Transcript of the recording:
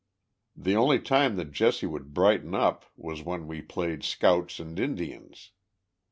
The only Lime that Jesse would brighten up was when we played ; Scouts and Indians.